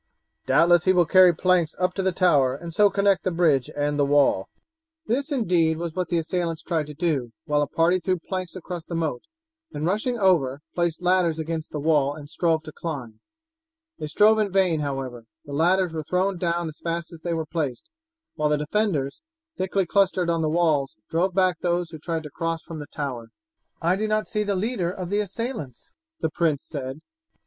Doubtless he will carry planks up to the tower and so connect the bridge and the wall." This, indeed, was what the assailants tried to do, while a party threw planks across the moat, and rushing over placed ladders against the wall and strove to climb. They strove in vain, however. The ladders were thrown down as fast as they were placed, while the defenders, thickly clustered on the walls, drove back those who tried to cross from the tower. "I do not see the leader of the assailants," the prince said.